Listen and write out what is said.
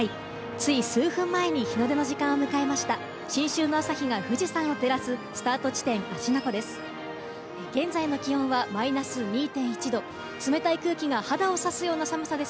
つい数分前に日の出の時間を迎えました、新春の朝日が富士山を照らすスタート地点、芦ノ湖です。